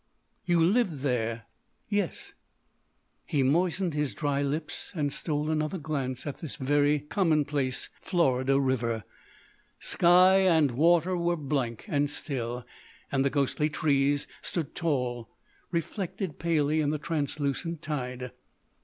"You lived there?" "Yes." He moistened his dry lips and stole another glance at this very commonplace Florida river. Sky and water were blank and still, and the ghostly trees stood tall, reflected palely in the translucent tide.